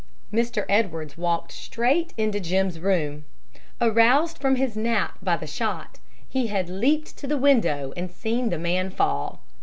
Mr. Edwards walked straight into Jim's room. Aroused from his nap by the shot, he had leaped to the window and seen the man fall.